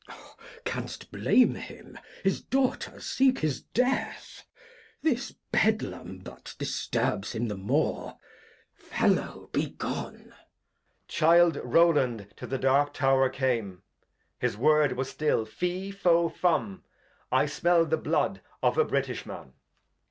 Glost. Can'st blame him? His Daughters seeks his Death ; this Bedlam but disturbs him the more. Fellow, be gone. Edg. Child Rowland to the dark Tow'r came. His Word, was still, Fi, Fo, and Fum, I smell the Blood of a British Man.